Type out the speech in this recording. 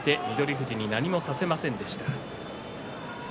富士に何もさせませんでした。